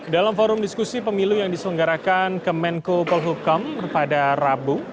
dalam forum diskusi pemilu yang diselenggarakan ke menko polhukam pada rabu